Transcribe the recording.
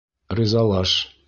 Ризалаш.